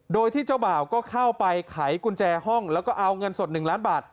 โดยที่เจ้าบ่าวก็เข้าไปไขกุญแจห้องแล้วก็เอาเงินสด๑ล้านบาท